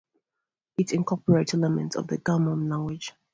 It incorporates elements of the Gammon language.